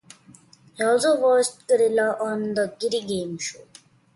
He also voiced Gorilla on "The Giddy Game Show".